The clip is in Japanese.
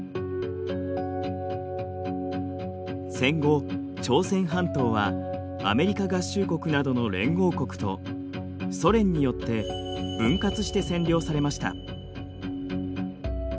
戦後朝鮮半島はアメリカ合衆国などの連合国とソ連によって分割して占領されました。